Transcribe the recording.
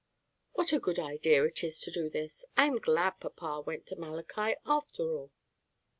What a good idea it is to do this! I am glad papa went to Malachi, after all."